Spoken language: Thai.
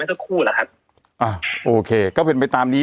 สักครู่แหละครับอ่าโอเคก็เป็นไปตามนี้